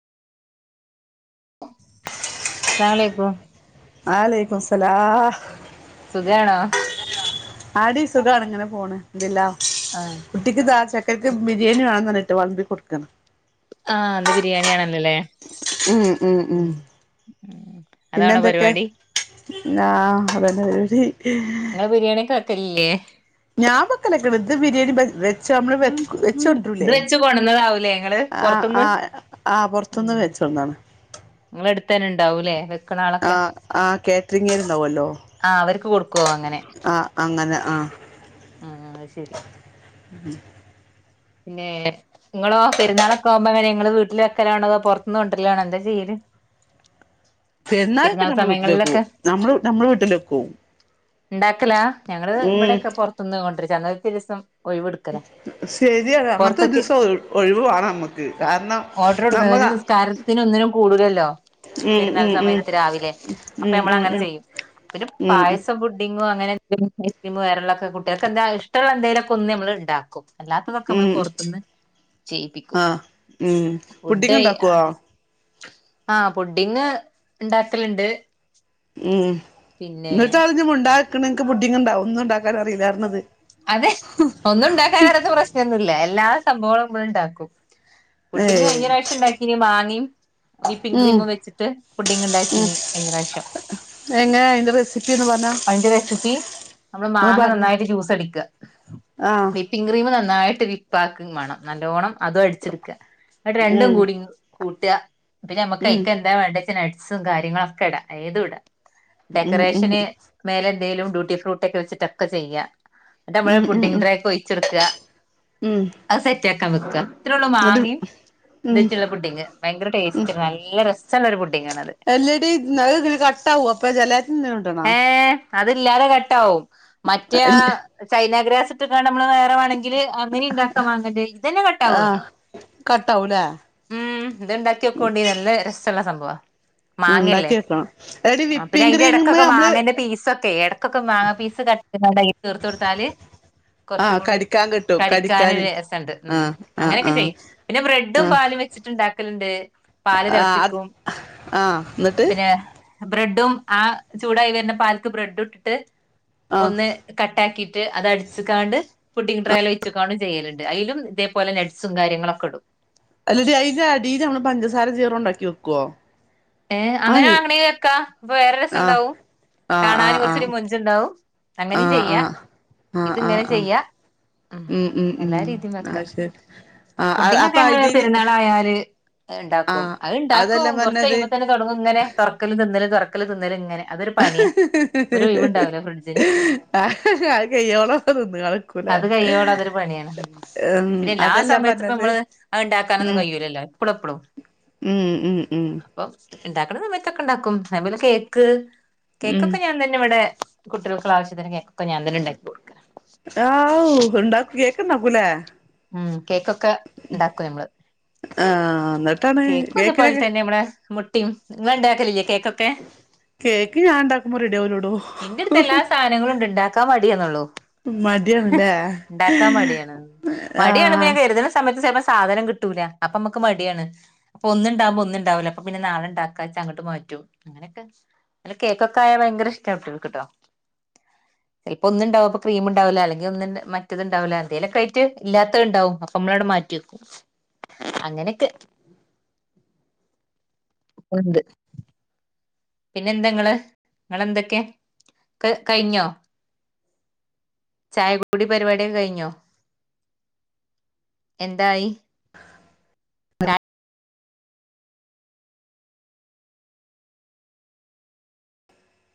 അസ്സലാമുഅലൈകും വലൈകുംസലാം സുഖാണോ ആ ടീ സുഖാണ് ഇങ്ങനെ പോണ് അൽഹംദുലില്ലാഹ് ആഹ് കുട്ടിക്ക് താ ചെക്കൻക്ക് ബിരിയാണി വേണ പറഞ്ഞിട്ട് വളമ്പി കൊടുക്കാണ് ആഹ് ഇന്ന് ബിരിയാണിയാണല്ലോ ല്ലേ ഉം ഉം ഉം അതാണോ പരിപാടി ആഹ് അതന്നെ പരിപാടി നിങ്ങള് ബിരിയാണി ഒക്കെ വെക്കലില്ലേ ഞാൻ വെക്കല്ലൊക്കെണ്ട് ഇത് ബിരിയാണി ച്ച് നമ്മള് വെ വെച്ചോണ്ടരൂലേ വെച്ച് കൊണ്ടന്നതാവൂലേ ഇങ്ങള് ആഹ് പൊറത്ത്ന്ന് ആഹ് ആഹ് പൊറത്ത്ന്ന് ഉം വെച്ചൊട്ന്നതാണ് ഇങ്ങളെ അടുത്തന്നെ ഇണ്ടാവൂലേ വെക്കണ ആളൊക്കെ ആഹ് ആഹ് കേറ്ററിങ്ങാര്ണ്ടാവോലോ ആഹ് അവർക്ക് കൊട്ക്കൊ അങ്ങനെ ആഹ് അങ്ങനെ ആഹ് ഉം ഉം അത് ശരി പിന്നെ ഇങ്ങളോ പെരുന്നാളൊക്കെ ആവുമ്പോ എങ്ങനെ ഇങ്ങള് വീട്ടില് വെക്കലാണോ അതൊ പൊറത്ത്ന്ന് കൊണ്ടരലാണോ എന്താ ചെയ്യല് പെരുന്നാള്ക്ക് പെരുന്നാൾ നമ്മള് വീട്ടില് വെക്കും സമയങ്ങളിലൊക്കെ നമ്മള് നമ്മളെ വീട്ടിലെക്കും ഇണ്ടാക്കലാ ഞങ്ങള് ഉം ഇവിടെക്കെ പൊറത്ത്ന്ന് കൊണ്ടിരിച്ച അന്നത്തെ ഒരീസം ഒഴിവ് ഇട്ക്കലാ ശരിയാ അങ്ങനത്തെ ഒരീസം ഒഴി ഒഴിവ് വാണം നമ്മക്ക് കാരണം ഓർഡർ കൊടുക്കും ഒരു നമ്മളാ നിസ്കാരത്തിന് ഒന്നിനും കൂടൂലല്ലോ ഉം പെരുന്നാൾ ഉം ഉം സമയത്ത് രാവിലെ അപ്പൊ ഉം നമ്മള് ഉം അങ്ങനെ ഉം ചെയ്യും പിന്നെ ഉം ഉം പായസം പുഡിങ്ങും അങ്ങനെ [unintelligible] ഐസ്ക്രീമും വേറെള്ളക്കെ കുട്ട്യേള്ക്ക് എന്താ ഇഷ്ടള്ള എന്തേലൊക്കൊന്ന് നമ്മള് ഇണ്ടാക്കും അല്ലാത്തതൊക്കെ നമ്മള് ഉം പൊറത്ത്ന്ന് ചെയ്യിപ്പിക്കും ആഹ് ഉം പുഡിങ് ഫുഡ് ഉണ്ടാക്കുവോ ആഹ് പുഡ്ഢിങ്ങ് ഇണ്ടാക്കല്ണ്ട് ആഹ് ഇന്നെട്ടാണ് ഇജ്ജ് മുണ്ടാതക്ക്ണ് ഇൻക്ക് പുഡ്ഢിങ്ണ്ടാവും ണ്ടാക്കാനറീലറഞ്ഞത് അതെ ഒന്നും ഇണ്ടാക്കാനറിയാത്ത പ്രശ്നൊന്നുല്ല എല്ലാ സംഭവങ്ങളും നമ്മള് ഇണ്ടാക്കും പുഡിങ് ഏയ് കഴിഞ്ഞറാശ്യം ഇണ്ടാക്കീനി മാങ്ങിം വിപ്പിംഗ് ഉം ക്രീം വെച്ചിട്ട് പുഡിങ് ഇണ്ടാക്കീനി കഴിഞ്ഞ പ്രാവശ്യം അതെങ്ങനെ അയിന്റെ റെസിപ്പി ഒന്ന് പറഞ്ഞാ അതിന്റെ റെസിപ്പി നമ്മള് ഒന്ന് മാങ്ങ പറഞ്ഞേ നന്നായിട്ട് ജ്യൂസ് അടിക്കാ ആഹ് വി വിപ്പിങ് ക്രീം നന്നായിട്ട് വിപ്പാക്കും മാണം നല്ലോണം അതും അടിച്ചെട്ക്ക ഇന്നെട്ട് രണ്ടും ഉം കൂടിം കൂട്ടാ പിന്നെ നമ്മക്ക് ഉം അയ്ക്ക് എന്താ വേണ്ടച്ചാ നട്ട്സും കാര്യങ്ങളൊക്കെ ഇടാ ഏതും ഇടാ ഉം ഉം ഡെക്കറേഷന് മേലെന്തേലും ഡ്യൂട്ടി ഫ്രൂട്ടൊക്കെ വെച്ചിട്ടൊക്കെ ചെയ്യാ ഇന്നെട്ട് നമ്മള് ഉം ഉം പുഡ്ഡിംങ് ഉം ട്രെക്ക് ഒഴിച്ചൊട്ക്ക ഉം അത് സെറ്റാക്കാൻ വെക്ക ഇത്രേള്ളു എന്നിട്ട് മാങ്ങിം ഉം ഇതൊക്കള്ള പുഡിങ് ഭയങ്കര ടേസ്റ്റ് നല്ല രസള്ളോരു പുഡ്ഢിങ്ങാണത് അല്ലെടീ അത് ഇങ്ങനെ കട്ടാവോ അപ്പൊ ജലാറ്റിന് എന്തേലും ഇടണോ ഏഹ് അതില്ലാതെ കട്ടാവും മറ്റേ ആ ചൈനഗ്രാസ് ഇട്ട്ക്കാണ്ട് നമ്മള് നേ രെ വാണെങ്കില അങ്ങനിം ഇണ്ടാക്ക മാങ്ങന്റെ ഇതന്നെ ആഹ് കട്ടാവല്ലോ കട്ടാവൂലേ ഉം ഇത് ഇണ്ടാക്ക്യോക്കൊണ്ടി നല്ല രസള്ള സംഭവാ മാങ്ങല്ലേ ഉണ്ടാക്കി വെക്കണം എടി ആഹ് പിന്നെ വിപ്പിംഗ് അതിന്റെ ക്രീമ് ഇടക്കൊക്കെ നമ്മള് മാങ്ങേന്റെ പീസൊക്കെ ഇടക്കൊക്കെ മാങ്ങ പീസ് കട്ട് യ്താണ്ട് അയ്ല് ചേറ്ത്തൊട്ത്താല് ആഹ് കൊറച്ചൂടിം കടിക്കാൻ കിട്ടും കടിക്കാന് കടിക്കാനൊര് രസണ്ട് ഉം ആഹ് ആഹ് അങ്ങനെയൊക്കെ ആഹ് ചെയ്യും പിന്നെ ബ്രെഡും ആഹ് പാലും വെച്ചിട്ട്ണ്ടാക്കല്ണ്ട് പാല് ആഹ് അത് തെളപ്പിക്കും ആഹ് എന്നിട്ട് പിന്നെ ബ്രെഡും ആ ചൂടായി വര്ന്ന പാല്ക്ക് ബ്രെഡും ഇട്ടിട്ട് ആഹ് ഒന്ന് കട്ടാക്കീട്ട് അത് അടിച്ച്ക്കാണ്ട് പുഡ്ഢിങ് ട്രേല് ഒഴിച്ച്ക്കാണ്ടും ചെയ്യല്ണ്ട് അയിലും ഇതേപലെ നട്സും കാര്യങ്ങളൊക്കെ ഇടും അല്ലെടി അയിന്റെ അടീല് നമ്മള് പഞ്ചസാര [unintelligible] ഇണ്ടാക്കി വെക്കോ ഏഹ് അങ്ങനെ വാങ്ങണെങ്കി വെക്കാ അപ്പൊ വേറൊര് രസം ആഹ് ഇണ്ടാവും കാണന് ആഹ് കൊറച്ചൊരു ആഹ് മൊഞ്ച്ണ്ടാവും അങ്ങനിം ആഹ് ആഹ് ചെയ്യാ ആഹ് ആഹ് ഇത് ആഹ് ഇങ്ങനെ ആഹ് ചെയ്യാ ഉം എല്ലാ രീതിം അത് വെക്കാ ശരി ആഹ് അപ്പൊ പുഡ്ഡിങ്ങക്കെഞങ്ങള് അതില് പെരുന്നാളായാല് ഇണ്ടാക്കും, ആഹ് അതെല്ലാം അത്ണ്ടാക്കും കൊർ പറഞ്ഞത് പ്പന്നെ തൊട്ങ്ങുങ്ങനെ തൊറക്കലും തിന്നല് തൊറക്കല് തിന്നല്ങ്ങനെ അതൊര് - പണ്യ, ഒരൊഴിവ്ണ്ടാവൂല ഫ്രിഡ്ജിന് ആഹ് അത് കയ്യോളന്ന ക [unintelligible] അത് കൈയ്യോളതൊരു പണിയാണ്. ഉം പിന്നെല്ലാ അതെല്ലാ സമയത്ത് ഇപ്പ പറഞ്ഞത് നമ്മള് അഹ് ണ്ടാക്കാനൊന്നും ഉം കയ്യൂല്ലല്ലോ പ്പളുംഎപ്പളും ഉം ഉം ഉം അപ്പൊ ഇണ്ടാക്കണ സമത്തൊക്കെണ്ടാക്കും. അത് പോലെ കേക്ക്, ഉം കേക്കൊക്കെ ഞാൻ തന്നെവടെ കുട്ടികൾക്ക്ള്ളാവിശ്യത്തിന് കേക്കൊക്കെ ഞാൻതന്നെണ്ടാക്കി കൊടുക്കും ആവൂ, ഉണ്ടാക് കേക്ക്ണ്ടാക്കൂ ലേ ഉം കേക്കൊക്കെ ണ്ടാക്കുംഞമ്മള് ആഹ് എന്നിട്ടാണ് കേക്കും അതേപോലെ കേക്കിനൊക്കെ തന്നെ നമ്മടെ മുട്ടിം ഇങ്ങള്ണ്ടാക്കലില്ലേ കേക്കൊക്കെ കേക്ക് ഞാൻണ്ടാക്കുമ്പോ റെഡിയവൂലൊട് - ഇന്റെട്ത്തെല്ലാ സാനങ്ങളുണ്ട്. ണ്ടാക്കാൻ മട്യാന്നൊള്ളു മടിയാണല്ലേ ണ്ടാക്കാൻ മടിയാണ്. മടിയാണ് പ്പ ആഹ് ഞാൻ കെര്ത്ണ സ് - സമയത്ത് ചെൽപ്പ സാധനം കിട്ടൂല. അപ്പമ്മക്ക് മട്യാണ് അപ്പൊന്ന് ണ്ടാവുമ്പൊന്ന്ണ്ടാവൂല. അപ്പ പിന്നെ നാളെണ്ടാക്കാച്ചങ്ങട്ട് മാറ്റും അങ്ങനൊക്കെ അല്ല കേക്കൊക്കായാ ഭയങ്കര ഇഷ്ട്ടാകുട്ട്യൾക്ക് ട്ടോ ചെൽപ്പൊന്ന്ണ്ടാവും അപ്പൊ ക്രീമ്ണ്ടാവൂല. അല്ലെങ്കി ഒന്ന് മറ്റത്ണ്ടാവുല. എന്തേലൊക്കായിറ്റ് ഇല്ല്യാത്തത്ണ്ടാവും. അപ്പമ്മളണ്ട് മാറ്റ്യക്കും അങ്ങനെക്കെ ഉണ്ട് പിന്നെന്തെങ്ങള് ങ്ങളെന്തൊക്കെ ക കയ്ഞ്ഞോ ചായകുടി പരിപാട്യൊക്കെ കഴിഞ്ഞോ എന്തായി